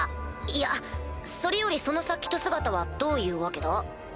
いやそれよりその殺気と姿はどういうわけだ？